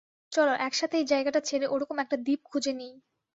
চলো, একসাথে এই জায়গাটা ছেড়ে ওরকম একটা দ্বীপ খুঁজে নিই।